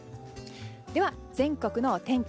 では、全国のお天気。